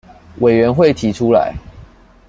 委員會提出來